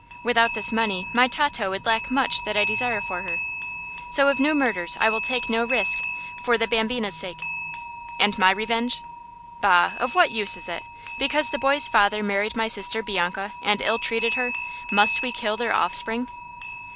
Without this money my Tato would lack much that I desire for her. So of new murders I will take no risk, for the bambina's sake." "And my revenge?" "Bah, of what use is it? Because the boy's father married my sister Bianca, and ill treated her, must we kill their offspring?"